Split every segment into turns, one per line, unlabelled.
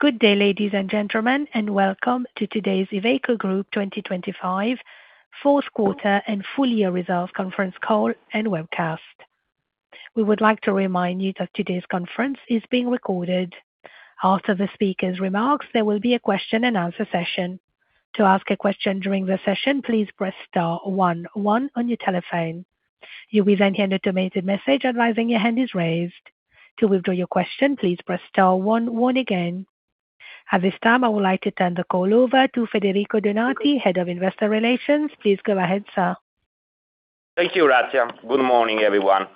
Good day, ladies and gentlemen, and welcome to today's Iveco Group 2025 fourth quarter and full year results Conference Call and Webcast. We would like to remind you that today's conference is being recorded. After the speaker's remarks, there will be a question and answer session. To ask a question during the session, please press star one one on your telephone. You will then hear an automated message advising your hand is raised. To withdraw your question, please press star one one again. At this time, I would like to turn the call over to Federico Donati, Head of Investor Relations. Please go ahead, sir.
Thank you, Razia. Good morning, everyone.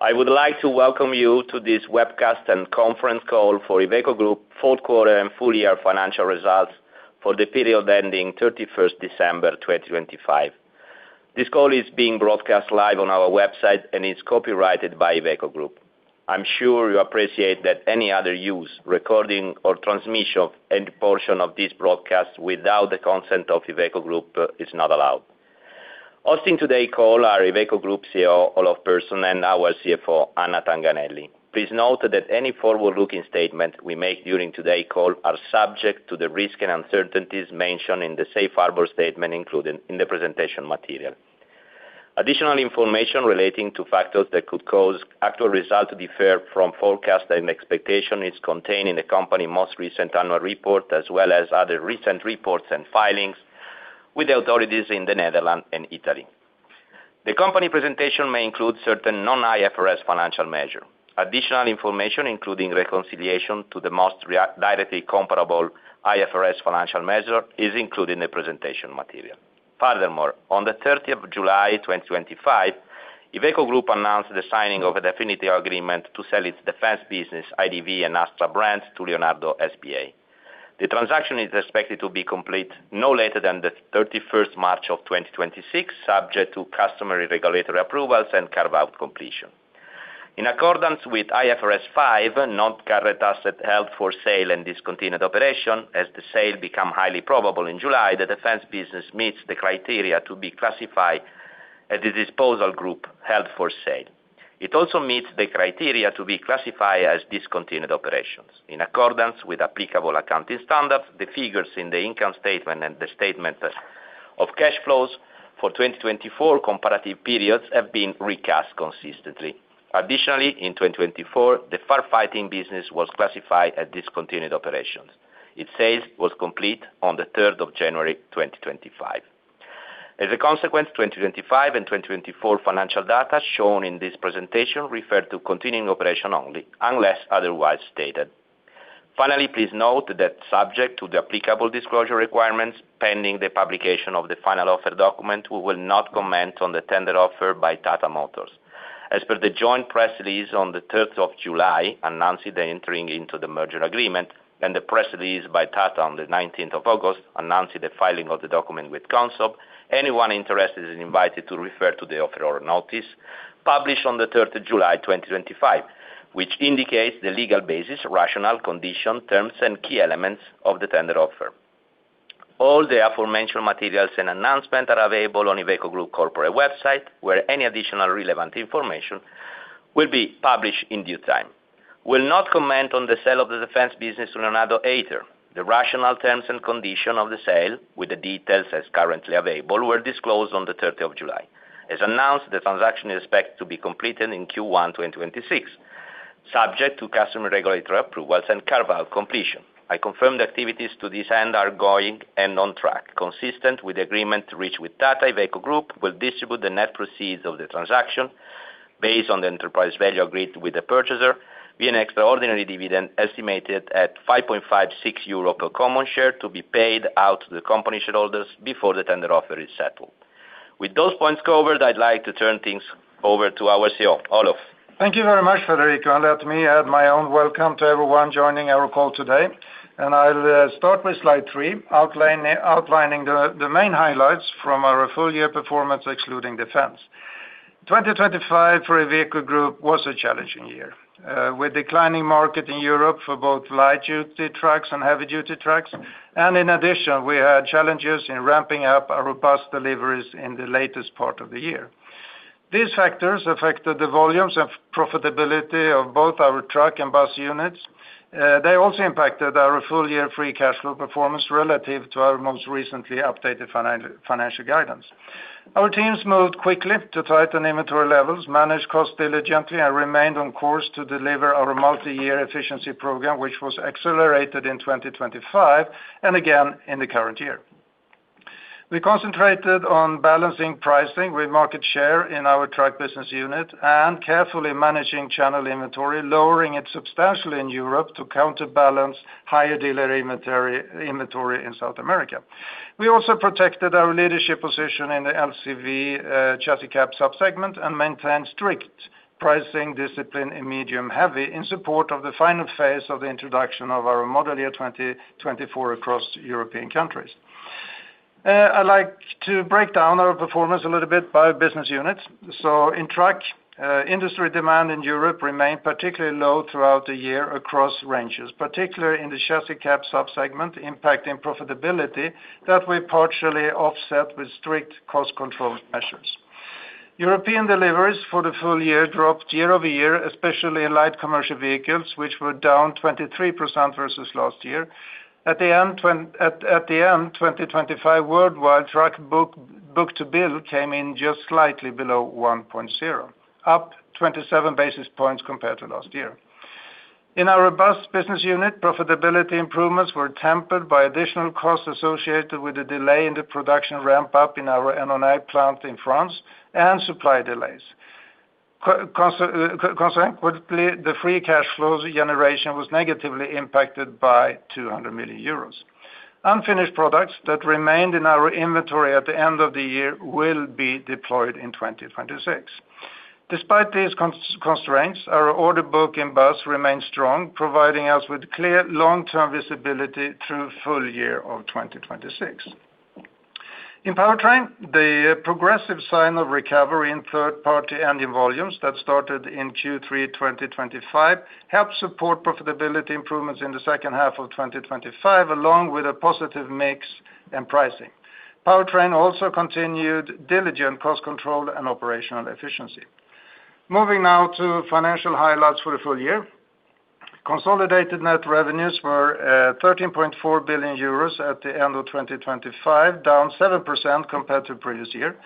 I would like to welcome you to this webcast and conference call for Iveco Group fourth quarter and full year financial results for the period ending 31st December 2025. This call is being broadcast live on our website and is copyrighted by Iveco Group. I'm sure you appreciate that any other use, recording, or transmission of any portion of this broadcast without the consent of Iveco Group is not allowed. Hosting today call are Iveco Group CEO, Olof Persson, and our CFO, Anna Tanganelli. Please note that any forward-looking statement we make during today call are subject to the risk and uncertainties mentioned in the safe harbor statement, including in the presentation material. Additional information relating to factors that could cause actual results to differ from forecast and expectation is contained in the company's most recent annual report, as well as other recent reports and filings with the authorities in the Netherlands and Italy. The company presentation may include certain non-IFRS financial measure. Additional information, including reconciliation to the most directly comparable IFRS financial measure, is included in the presentation material. Furthermore, on the 30th of July, 2025, Iveco Group announced the signing of a definitive agreement to sell its defense business, IDV and Astra brands, to Leonardo S.p.A. The transaction is expected to be complete no later than the 31st of March, 2026, subject to customary regulatory approvals and carve-out completion. In accordance with IFRS 5, non-current assets held for sale and discontinued operations, as the sale become highly probable in July, the defense business meets the criteria to be classified as a disposal group held for sale. It also meets the criteria to be classified as discontinued operations. In accordance with applicable accounting standards, the figures in the income statement and the statement of cash flows for 2024 comparative periods have been recast consistently. Additionally, in 2024, the firefighting business was classified as discontinued operations. Its sales was complete on the third of January, 2025. As a consequence, 2025 and 2024 financial data shown in this presentation refer to continuing operation only, unless otherwise stated. Finally, please note that subject to the applicable disclosure requirements, pending the publication of the final offer document, we will not comment on the tender offer by Tata Motors. As per the joint press release on the 3rd of July, announcing the entering into the merger agreement and the press release by Tata on the 19th of August, announcing the filing of the document with Consob, anyone interested is invited to refer to the offer or notice published on the 3rd of July, 2025, which indicates the legal basis, rationale, conditions, terms, and key elements of the tender offer. All the aforementioned materials and announcements are available on Iveco Group corporate website, where any additional relevant information will be published in due time. We'll not comment on the sale of the defense business to Leonardo, either. The rationale, terms and conditions of the sale, with the details as currently available, were disclosed on the 30th of July. As announced, the transaction is expected to be completed in Q1 2026, subject to customary regulatory approvals and carve-out completion. I confirm the activities to this end are going and on track. Consistent with the agreement reached with Tata, Iveco Group will distribute the net proceeds of the transaction based on the enterprise value agreed with the purchaser, be an extraordinary dividend estimated at 5.56 euro per common share to be paid out to the company shareholders before the tender offer is settled. With those points covered, I'd like to turn things over to our CEO, Olof.
Thank you very much, Federico, and let me add my own welcome to everyone joining our call today. I'll start with slide 3, outlining the main highlights from our full year performance, excluding defense. 2025 for Iveco Group was a challenging year, with declining market in Europe for both light-duty trucks and heavy-duty trucks. In addition, we had challenges in ramping up our bus deliveries in the latest part of the year. These factors affected the volumes of profitability of both our truck and bus units. They also impacted our full year free cash flow performance relative to our most recently updated financial guidance. Our teams moved quickly to tighten inventory levels, manage costs diligently, and remained on course to deliver our multi-year efficiency program, which was accelerated in 2025, and again in the current year. We concentrated on balancing pricing with market share in our truck business unit and carefully managing channel inventory, lowering it substantially in Europe to counterbalance higher dealer inventory in South America. We also protected our leadership position in the LCV chassis cab subsegment and maintained strict pricing discipline in medium-heavy, in support of the final phase of the introduction of our Model Year 2024 across European countries. I'd like to break down our performance a little bit by business unit. So in truck, industry demand in Europe remained particularly low throughout the year across ranges, particularly in the chassis cab subsegment, impacting profitability that we partially offset with strict cost control measures. European deliveries for the full year dropped year-over-year, especially in light commercial vehicles, which were down 23% versus last year. At the end, 2025 worldwide truck book-to-bill came in just slightly below 1.0, up 27 basis points compared to last year. In our bus business unit, profitability improvements were tempered by additional costs associated with the delay in the production ramp up in our Annonay plant in France, and supply delays. Consequently, the free cash flows generation was negatively impacted by 200 million euros. Unfinished products that remained in our inventory at the end of the year will be deployed in 2026. Despite these constraints, our order book in bus remains strong, providing us with clear long-term visibility through full year of 2026. In Powertrain, the progressive sign of recovery in third-party engine volumes that started in Q3 2025, helped support profitability improvements in the second half of 2025, along with a positive mix and pricing. Powertrain also continued diligent cost control and operational efficiency. Moving now to financial highlights for the full year. Consolidated net revenues were 13.4 billion euros at the end of 2025, down 7% compared to previous year.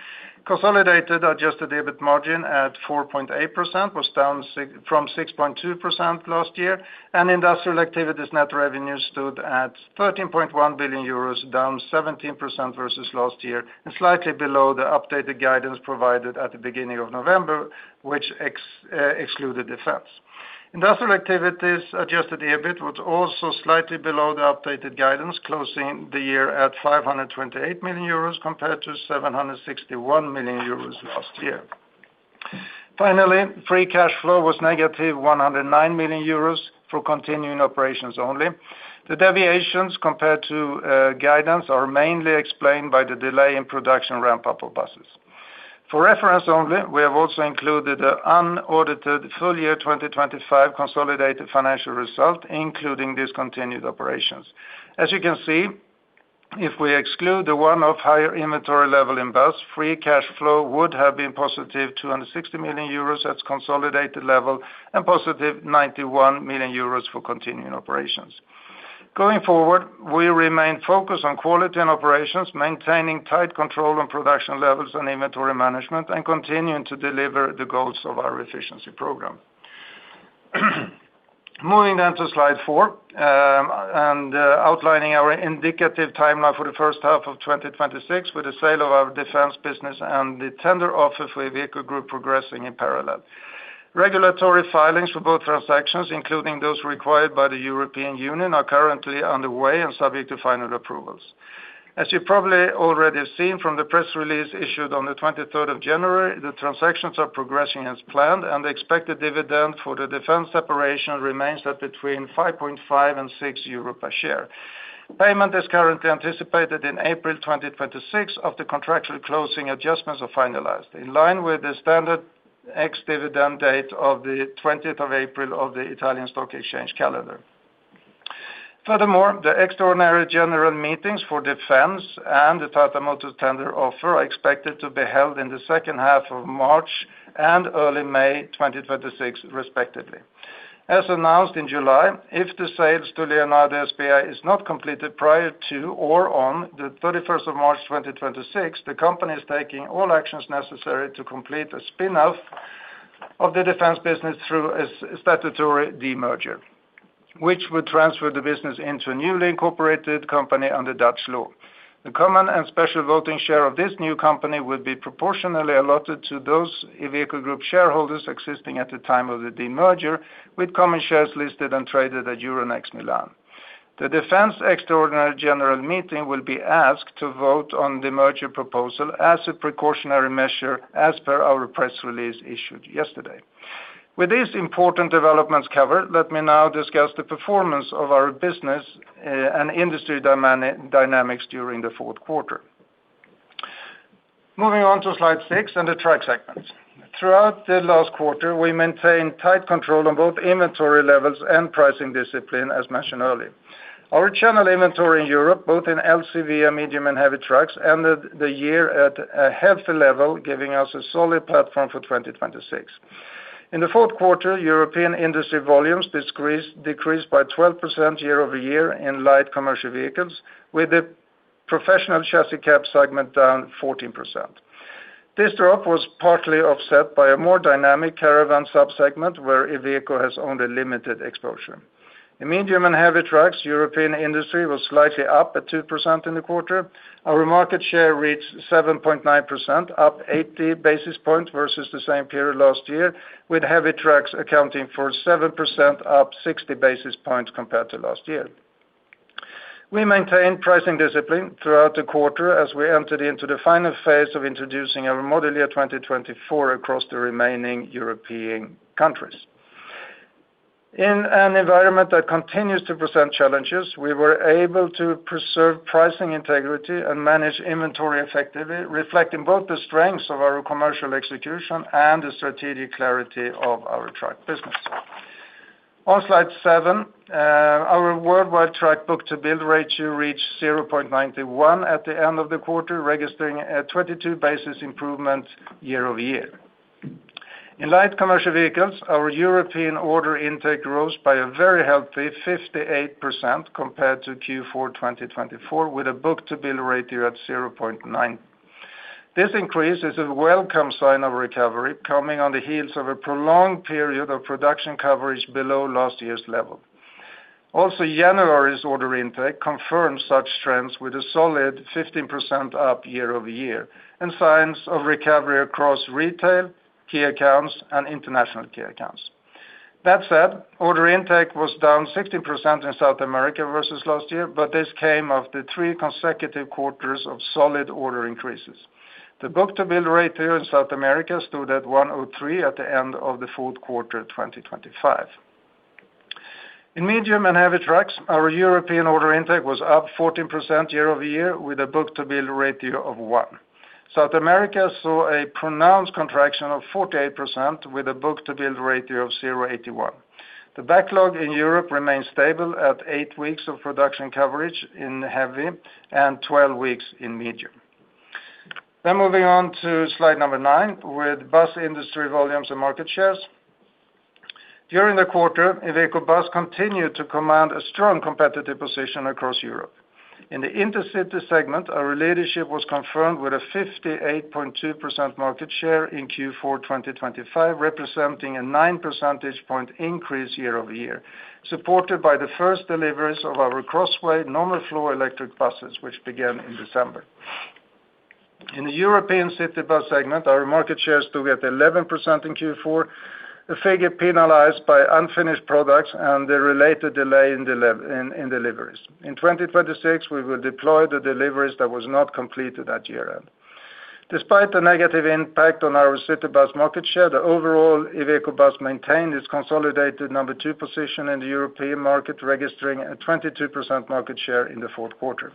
Consolidated adjusted EBIT margin at 4.8%, was down from 6.2% last year, and industrial activities net revenue stood at 13.1 billion euros, down 17% versus last year, and slightly below the updated guidance provided at the beginning of November, which excluded defense. Industrial activities adjusted EBIT was also slightly below the updated guidance, closing the year at 528 million euros compared to 761 million euros last year. Finally, free cash flow was -109 million euros for continuing operations only. The deviations compared to guidance are mainly explained by the delay in production ramp-up of buses. For reference only, we have also included the unaudited full year 2025 consolidated financial result, including discontinued operations. As you can see, if we exclude the one-off higher inventory level in bus, free cash flow would have been positive 260 million euros at consolidated level, and positive 91 million euros for continuing operations. Going forward, we remain focused on quality and operations, maintaining tight control on production levels and inventory management, and continuing to deliver the goals of our efficiency program. Moving on to slide 4, outlining our indicative timeline for the first half of 2026, with the sale of our defense business and the tender offer for Iveco Group progressing in parallel. Regulatory filings for both transactions, including those required by the European Union, are currently underway and subject to final approvals. As you've probably already seen from the press release issued on the 23rd of January, the transactions are progressing as planned, and the expected dividend for the defense separation remains at between 5.5 and 6 euro per share. Payment is currently anticipated in April 2026, once the contractual closing adjustments are finalized, in line with the standard ex-dividend date of the 20th of April of the Italian Stock Exchange calendar. Furthermore, the extraordinary general meetings for defense and the Tata Motors tender offer are expected to be held in the second half of March and early May 2026, respectively. As announced in July, if the sales to Leonardo S.p.A. is not completed prior to or on the 31st of March 2026, the company is taking all actions necessary to complete a spin-off of the defense business through a statutory demerger, which would transfer the business into a newly incorporated company under Dutch law. The common and special voting share of this new company would be proportionally allotted to those Iveco Group shareholders existing at the time of the demerger, with common shares listed and traded at Euronext Milan. The defense extraordinary general meeting will be asked to vote on the merger proposal as a precautionary measure, as per our press release issued yesterday. With these important developments covered, let me now discuss the performance of our business and industry dynamics during the fourth quarter. Moving on to slide six and the truck segments. Throughout the last quarter, we maintained tight control on both inventory levels and pricing discipline, as mentioned earlier. Our channel inventory in Europe, both in LCV and medium and heavy trucks, ended the year at a healthy level, giving us a solid platform for 2026. In the fourth quarter, European industry volumes decreased by 12% year-over-year in light commercial vehicles, with the professional chassis cab segment down 14%. This drop was partly offset by a more dynamic caravan sub-segment, where a vehicle has only limited exposure. In medium and heavy trucks, European industry was slightly up at 2% in the quarter. Our market share reached 7.9%, up 80 basis points versus the same period last year, with heavy trucks accounting for 7%, up 60 basis points compared to last year. We maintained pricing discipline throughout the quarter as we entered into the final phase of introducing our Model Year 2024 across the remaining European countries. In an environment that continues to present challenges, we were able to preserve pricing integrity and manage inventory effectively, reflecting both the strengths of our commercial execution and the strategic clarity of our truck business. On slide seven, our worldwide truck book-to-bill ratio reached 0.91 at the end of the quarter, registering a 22 basis points improvement year-over-year. In light commercial vehicles, our European order intake rose by a very healthy 58% compared to Q4 2024, with a book-to-bill ratio at 0.9. This increase is a welcome sign of recovery, coming on the heels of a prolonged period of production coverage below last year's level. Also, January's order intake confirms such trends with a solid 15% up year-over-year, and signs of recovery across retail, key accounts, and international key accounts. That said, order intake was down 16% in South America versus last year, but this came after three consecutive quarters of solid order increases. The book-to-bill rate here in South America stood at 1.03 at the end of the fourth quarter, 2025. In medium and heavy trucks, our European order intake was up 14% year-over-year, with a book-to-bill ratio of 1. South America saw a pronounced contraction of 48%, with a book-to-bill ratio of 0.81. The backlog in Europe remains stable at 8 weeks of production coverage in heavy and 12 weeks in medium. Moving on to slide 9, with bus industry volumes and market shares. During the quarter, Iveco Bus continued to command a strong competitive position across Europe. In the intercity segment, our leadership was confirmed with a 58.2% market share in Q4 2025, representing a 9 percentage point increase year-over-year, supported by the first deliveries of our Crossway normal floor electric buses, which began in December. In the European city bus segment, our market share stood at 11% in Q4, a figure penalized by unfinished products and the related delay in deliveries. In 2026, we will deploy the deliveries that was not completed that year end. Despite the negative impact on our city bus market share, the overall Iveco Bus maintained its consolidated number 2 position in the European market, registering a 22% market share in the fourth quarter.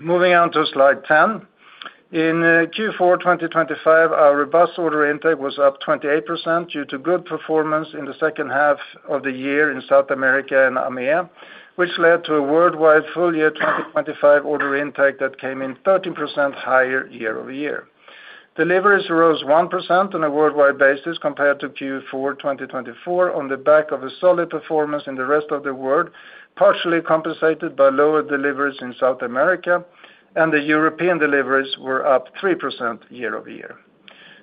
Moving on to slide 10. In Q4 2025, our bus order intake was up 28% due to good performance in the second half of the year in South America and EMEA, which led to a worldwide full year 2025 order intake that came in 13% higher year-over-year. Deliveries rose 1% on a worldwide basis compared to Q4 2024, on the back of a solid performance in the rest of the world, partially compensated by lower deliveries in South America, and the European deliveries were up 3% year-over-year.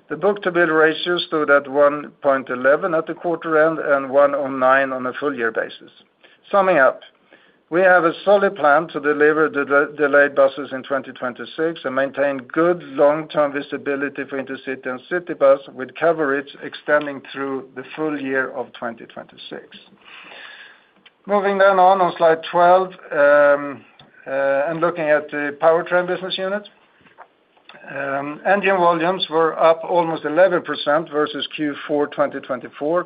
The book-to-bill ratio stood at 1.11 at the quarter end, and 1.09 on a full year basis. Summing up, we have a solid plan to deliver the delayed buses in 2026, and maintain good long-term visibility for intercity and city bus, with coverage extending through the full year of 2026. Moving then on, on slide 12, and looking at the Powertrain business unit. Engine volumes were up almost 11% versus Q4 2024,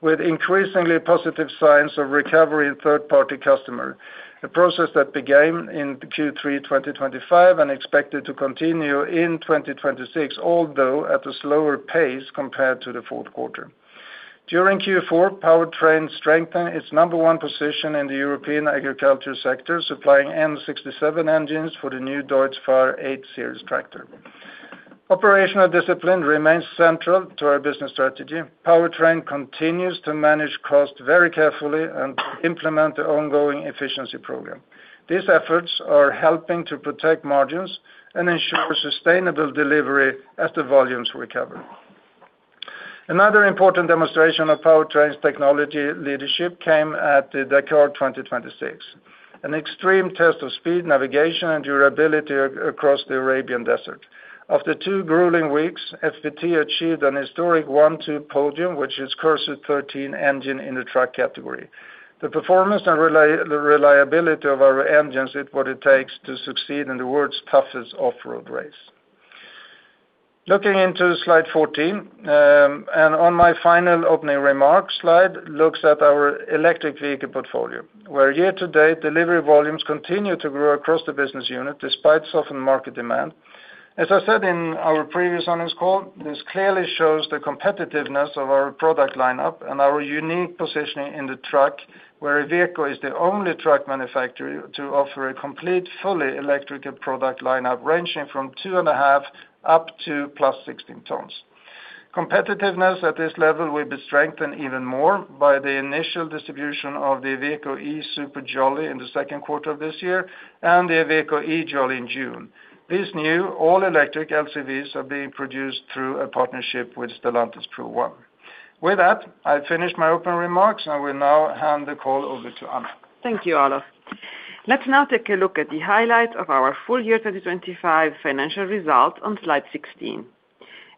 with increasingly positive signs of recovery in third-party customer. A process that began in Q3 2025, and expected to continue in 2026, although at a slower pace compared to the fourth quarter. During Q4, Powertrain strengthened its number one position in the European agriculture sector, supplying N67 engines for the new Deutz-Fahr 8 Series tractor. Operational discipline remains central to our business strategy. Powertrain continues to manage costs very carefully and implement the ongoing efficiency program. These efforts are helping to protect margins and ensure sustainable delivery as the volumes recover. Another important demonstration of Powertrain's technology leadership came at the Dakar 2026. An extreme test of speed, navigation, and durability across the Arabian Desert. After two grueling weeks, FPT achieved an historic one-two podium, which is Cursor 13 engine in the truck category. The performance and the reliability of our engines is what it takes to succeed in the world's toughest off-road race. Looking into slide 14, and on my final opening remarks, slide looks at our electric vehicle portfolio, where year-to-date, delivery volumes continue to grow across the business unit, despite softening market demand. As I said in our previous earnings call, this clearly shows the competitiveness of our product lineup and our unique positioning in the truck, where Iveco is the only truck manufacturer to offer a complete, fully electrical product lineup, ranging from 2.5 up to plus 16 tons. Competitiveness at this level will be strengthened even more by the initial distribution of the Iveco eSuperJolly in the second quarter of this year, and the Iveco eJolly in June. These new all-electric LCVs are being produced through a partnership with Stellantis Pro One. With that, I've finished my opening remarks, and I will now hand the call over to Anna.
Thank you, Olof. Let's now take a look at the highlights of our full year 2025 financial results on slide 16.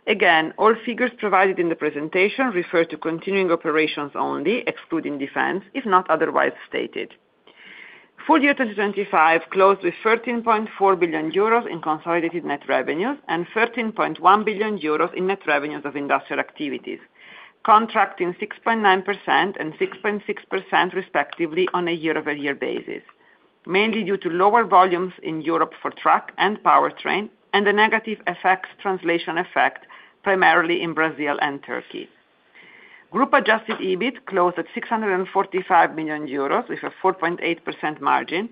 Again, all figures provided in the presentation refer to continuing operations only, excluding defense, if not otherwise stated. Full year 2025 closed with 13.4 billion euros in consolidated net revenues, and 13.1 billion euros in net revenues of industrial activities, contracting 6.9% and 6.6% respectively on a year-over-year basis... mainly due to lower volumes in Europe for truck and Powertrain, and the negative effects, translation effect, primarily in Brazil and Turkey. Group adjusted EBIT closed at 645 million euros, with a 4.8% margin,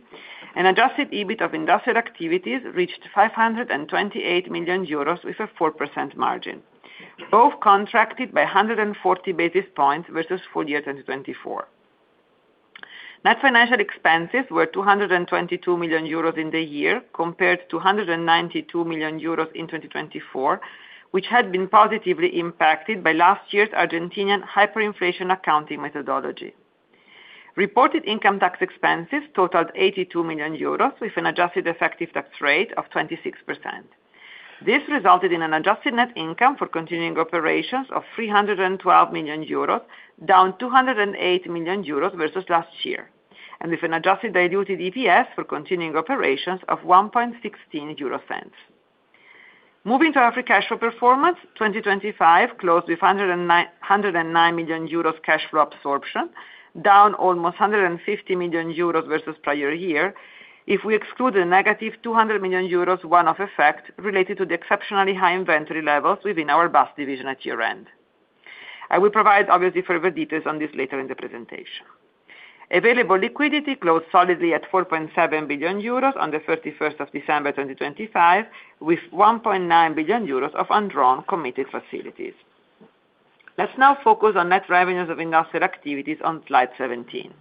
and adjusted EBIT of industrial activities reached 528 million euros, with a 4% margin, both contracted by 140 basis points versus full year 2024. Net financial expenses were 222 million euros in the year, compared to 192 million euros in 2024, which had been positively impacted by last year's Argentinian hyperinflation accounting methodology. Reported income tax expenses totaled 82 million euros, with an adjusted effective tax rate of 26%. This resulted in an adjusted net income for continuing operations of 312 million euros, down 208 million euros versus last year, and with an adjusted diluted EPS for continuing operations of 0.0116. Moving to our free cash flow performance, 2025 closed with 109 million euros cash flow absorption, down almost 150 million euros versus prior year. If we exclude the negative 200 million euros one-off effect related to the exceptionally high inventory levels within our bus division at year-end. I will provide obviously further details on this later in the presentation. Available liquidity closed solidly at 4.7 billion euros on December 31, 2025, with 1.9 billion euros of undrawn committed facilities. Let's now focus on net revenues of industrial activities on Slide 17.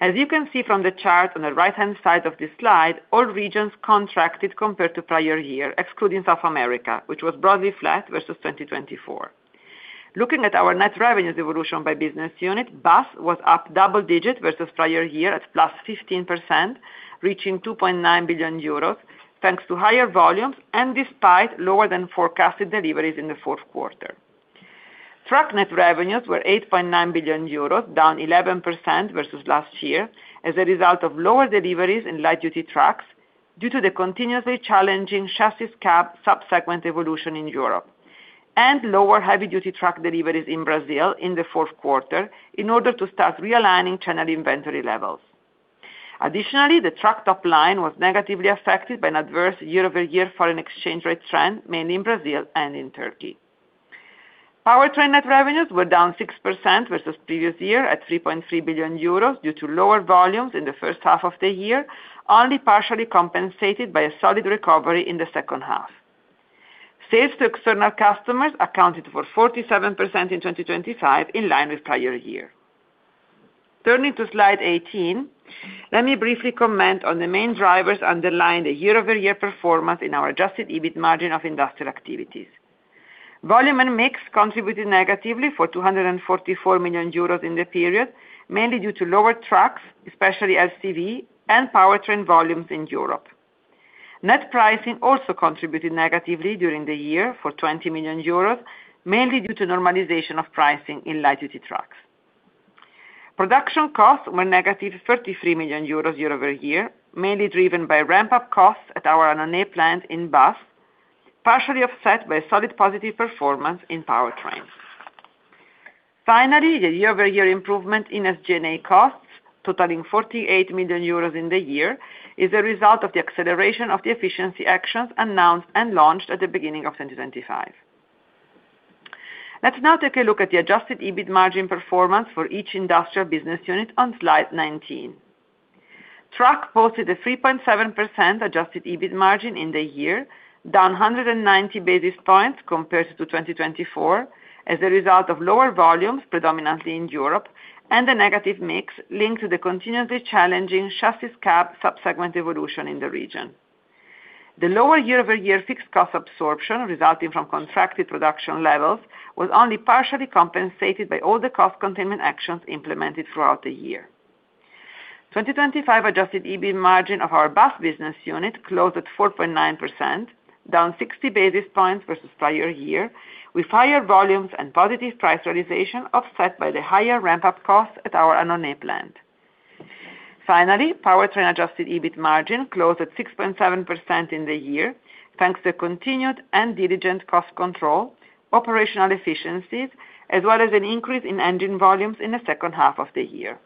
As you can see from the chart on the right-hand side of this slide, all regions contracted compared to prior year, excluding South America, which was broadly flat versus 2024. Looking at our net revenues evolution by business unit, Bus was up double digits versus prior year at +15%, reaching 2.9 billion euros, thanks to higher volumes and despite lower than forecasted deliveries in the fourth quarter. Truck net revenues were 8.9 billion euros, down 11% versus last year, as a result of lower deliveries in light-duty trucks due to the continuously challenging chassis cab sub-segment evolution in Europe, and lower heavy-duty truck deliveries in Brazil in the fourth quarter in order to start realigning channel inventory levels. Additionally, the truck top line was negatively affected by an adverse year-over-year foreign exchange rate trend, mainly in Brazil and in Turkey. Powertrain net revenues were down 6% versus previous year at 3.3 billion euros due to lower volumes in the first half of the year, only partially compensated by a solid recovery in the second half. Sales to external customers accounted for 47% in 2025, in line with prior year. Turning to Slide 18, let me briefly comment on the main drivers underlying the year-over-year performance in our Adjusted EBIT margin of industrial activities. Volume and mix contributed negatively for 244 million euros in the period, mainly due to lower trucks, especially LCV and Powertrain volumes in Europe. Net pricing also contributed negatively during the year for 20 million euros, mainly due to normalization of pricing in light-duty trucks. Production costs were negative 33 million euros year-over-year, mainly driven by ramp-up costs at our Annonay plant in Bus, partially offset by solid positive performance in Powertrains. Finally, the year-over-year improvement in SG&A costs, totaling 48 million euros in the year, is a result of the acceleration of the efficiency actions announced and launched at the beginning of 2025. Let's now take a look at the adjusted EBIT margin performance for each industrial business unit on Slide 19. Truck posted a 3.7% adjusted EBIT margin in the year, down 190 basis points compared to 2024, as a result of lower volumes, predominantly in Europe, and a negative mix linked to the continuously challenging chassis cab sub-segment evolution in the region. The lower year-over-year fixed cost absorption, resulting from contracted production levels, was only partially compensated by all the cost containment actions implemented throughout the year. 2025 adjusted EBIT margin of our Bus business unit closed at 4.9%, down 60 basis points versus prior year, with higher volumes and positive price realization, offset by the higher ramp-up costs at our Annonay plant. Finally, Powertrain adjusted EBIT margin closed at 6.7% in the year, thanks to continued and diligent cost control, operational efficiencies, as well as an increase in engine volumes in the second half of the year.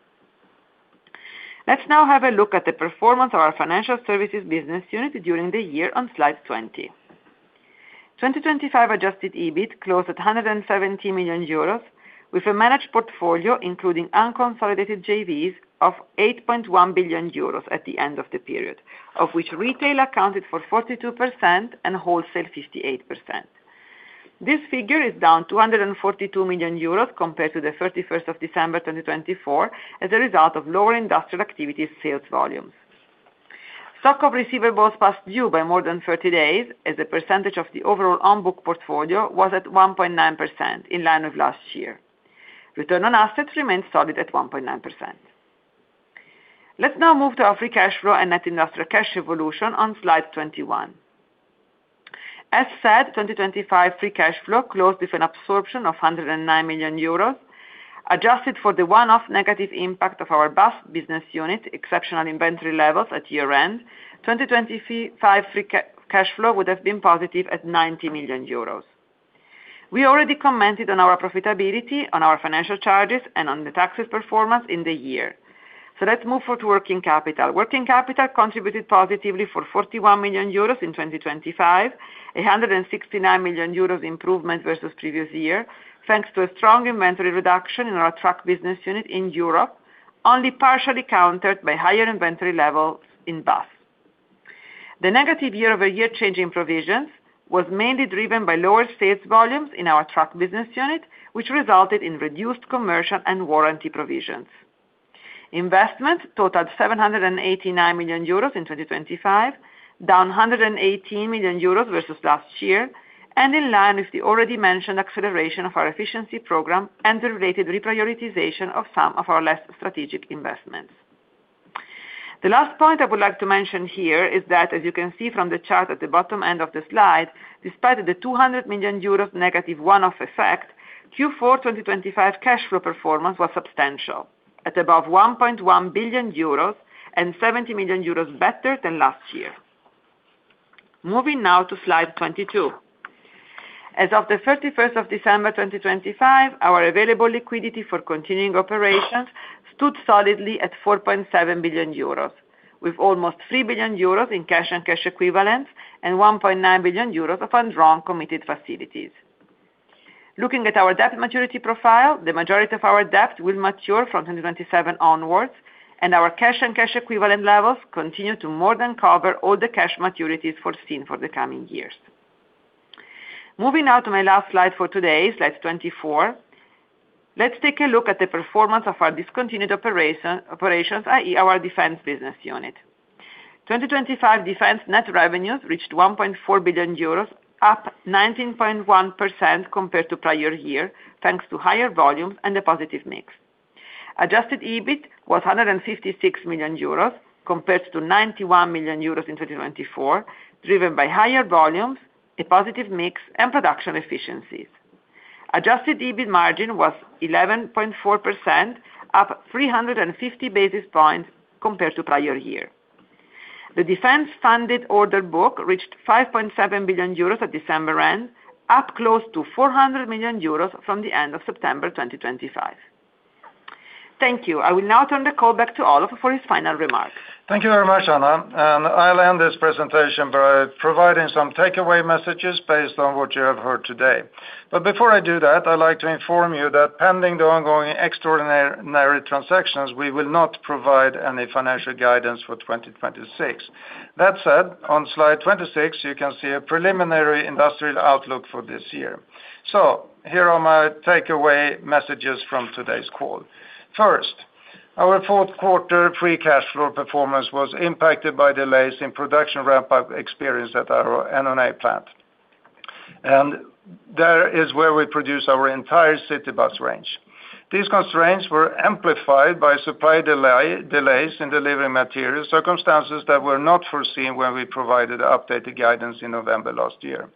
Let's now have a look at the performance of our financial services business unit during the year on Slide 20. 2025 adjusted EBIT closed at 170 million euros, with a managed portfolio, including unconsolidated JVs, of 8.1 billion euros at the end of the period, of which retail accounted for 42% and wholesale, 58%. This figure is down 242 million euros compared to December 31, 2024, as a result of lower industrial activities sales volumes. Stock of receivables past due by more than 30 days as a percentage of the overall on-book portfolio, was at 1.9%, in line with last year. Return on assets remained solid at 1.9%. Let's now move to our free cash flow and net industrial cash evolution on Slide 21. As said, 2025 free cash flow closed with an absorption of 109 million euros. Adjusted for the one-off negative impact of our Bus business unit, exceptional inventory levels at year-end, 2025 free cash flow would have been positive at 90 million euros. We already commented on our profitability, on our financial charges, and on the taxes performance in the year. So let's move forward to working capital. Working capital contributed positively for 41 million euros in 2025, a 169 million euros improvement versus previous year, thanks to a strong inventory reduction in our truck business unit in Europe, only partially countered by higher inventory levels in Bus. The negative year-over-year change in provisions was mainly driven by lower sales volumes in our truck business unit, which resulted in reduced commercial and warranty provisions. Investment totaled 789 million euros in 2025, down 118 million euros versus last year, and in line with the already mentioned acceleration of our efficiency program and the related reprioritization of some of our less strategic investments. The last point I would like to mention here is that, as you can see from the chart at the bottom end of the slide, despite the 200 million euros negative one-off effect, Q4 2025 cash flow performance was substantial, at above 1.1 billion euros and 70 million euros better than last year. Moving now to Slide 22. As of December 31, 2025, our available liquidity for continuing operations stood solidly at 4.7 billion euros, with almost 3 billion euros in cash and cash equivalents and 1.9 billion euros of undrawn committed facilities. Looking at our debt maturity profile, the majority of our debt will mature from 2027 onwards, and our cash and cash equivalent levels continue to more than cover all the cash maturities foreseen for the coming years. Moving now to my last slide for today, slide 24. Let's take a look at the performance of our discontinued operations, i.e., our defense business unit. 2025 defense net revenues reached 1.4 billion euros, up 19.1% compared to prior year, thanks to higher volumes and a positive mix. Adjusted EBIT was 156 million euros, compared to 91 million euros in 2024, driven by higher volumes, a positive mix, and production efficiencies. Adjusted EBIT margin was 11.4%, up 350 basis points compared to prior year. The defense funded order book reached 5.7 billion euros at December end, up close to 400 million euros from the end of September 2025. Thank you. I will now turn the call back to Olof for his final remarks.
Thank you very much, Anna, and I'll end this presentation by providing some takeaway messages based on what you have heard today. But before I do that, I'd like to inform you that pending the ongoing extraordinary transactions, we will not provide any financial guidance for 2026. That said, on slide 26, you can see a preliminary industrial outlook for this year. So here are my takeaway messages from today's call. First, our fourth quarter free cash flow performance was impacted by delays in production ramp-up experience at our Annonay plant, and that is where we produce our entire city bus range. These constraints were amplified by supply delay, delays in delivering materials, circumstances that were not foreseen when we provided updated guidance in November last year.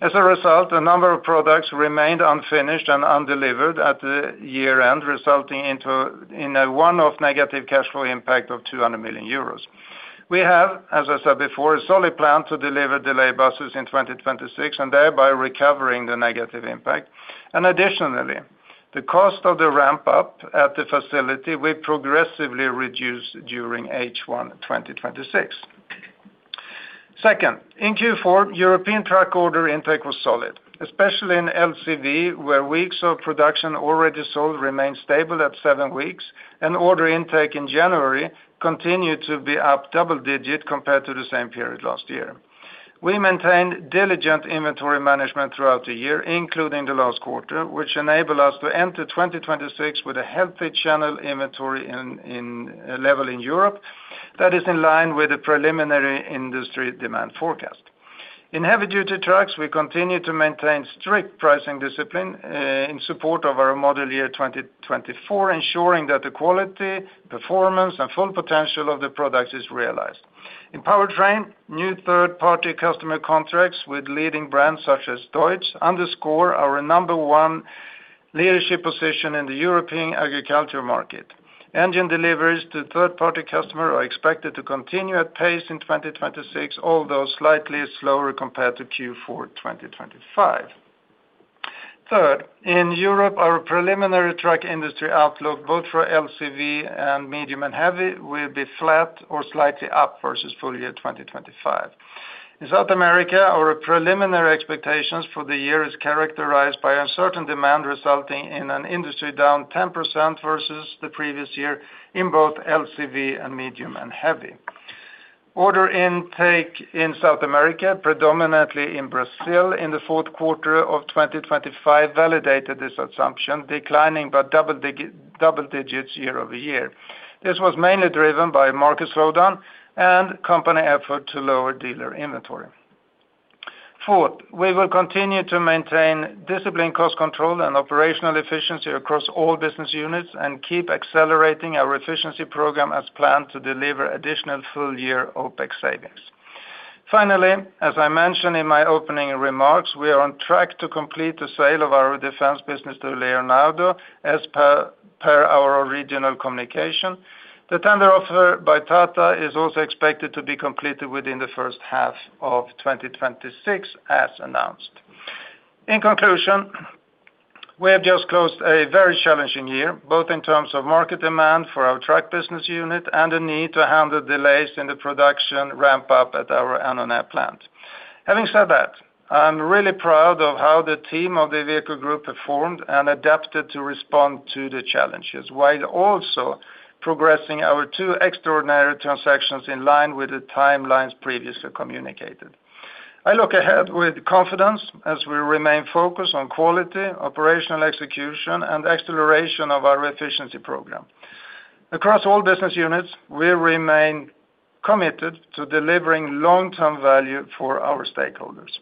As a result, a number of products remained unfinished and undelivered at the year-end, resulting into a one-off negative cash flow impact of 200 million euros. We have, as I said before, a solid plan to deliver delayed buses in 2026 and thereby recovering the negative impact. Additionally, the cost of the ramp-up at the facility will progressively reduce during H1 2026. Second, in Q4, European truck order intake was solid, especially in LCV, where weeks of production already sold remained stable at seven weeks, and order intake in January continued to be up double-digit compared to the same period last year. We maintained diligent inventory management throughout the year, including the last quarter, which enabled us to enter 2026 with a healthy channel inventory level in Europe that is in line with the preliminary industry demand forecast. In heavy-duty trucks, we continue to maintain strict pricing discipline in support of our Model Year 2024, ensuring that the quality, performance, and full potential of the products is realized. In Powertrain, new third-party customer contracts with leading brands such as Deutz underscore our number one leadership position in the European agriculture market. Engine deliveries to third-party customers are expected to continue at pace in 2026, although slightly slower compared to Q4 2025. Third, in Europe, our preliminary truck industry outlook, both for LCV and medium and heavy, will be flat or slightly up versus full year 2025. In South America, our preliminary expectations for the year is characterized by uncertain demand, resulting in an industry down 10% versus the previous year in both LCV and medium and heavy. Order intake in South America, predominantly in Brazil, in the fourth quarter of 2025, validated this assumption, declining by double digits year-over-year. This was mainly driven by market slowdown and company effort to lower dealer inventory. Fourth, we will continue to maintain disciplined cost control and operational efficiency across all business units and keep accelerating our efficiency program as planned to deliver additional full-year OpEx savings. Finally, as I mentioned in my opening remarks, we are on track to complete the sale of our defense business to Leonardo, as per our regional communication. The tender offer by Tata is also expected to be completed within the first half of 2026, as announced. In conclusion, we have just closed a very challenging year, both in terms of market demand for our truck business unit and the need to handle delays in the production ramp-up at our Annonay plant. Having said that, I'm really proud of how the team of the vehicle group performed and adapted to respond to the challenges, while also progressing our two extraordinary transactions in line with the timelines previously communicated. I look ahead with confidence as we remain focused on quality, operational execution, and acceleration of our efficiency program. Across all business units, we remain committed to delivering long-term value for our stakeholders.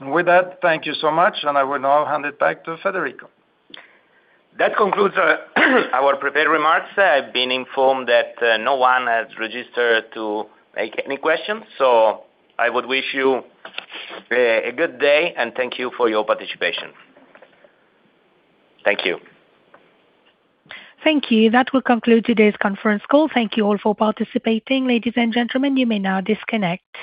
And with that, thank you so much, and I will now hand it back to Federico.
That concludes our prepared remarks. I've been informed that no one has registered to make any questions, so I would wish you a good day, and thank you for your participation. Thank you.
Thank you. That will conclude today's conference call. Thank you all for participating. Ladies and gentlemen, you may now disconnect.